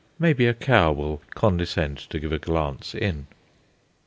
Maybe a cow will condescend to give a glance in.